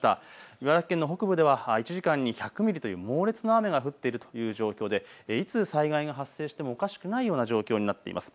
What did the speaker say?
茨城県の北部では１時間に１００ミリという猛烈な雨が降っているという状況でいつ災害が発生してもおかしくないような状況になっています。